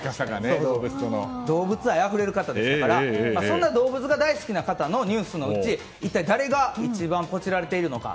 動物愛あふれる方ですからそんな動物が大好きな方のニュースのうち一体誰が一番ポチられているのか。